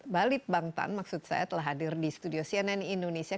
balit bangtan maksud saya telah hadir di studio cnn indonesia